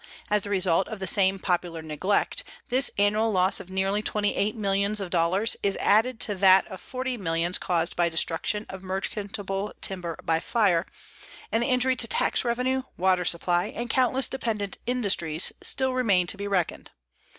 As the result of the same popular neglect, this annual loss of nearly twenty eight millions of dollars is added to that of forty millions caused by destruction of merchantable timber by fire, and the injury to tax revenue, water supply and countless dependent industries still remain to be reckoned.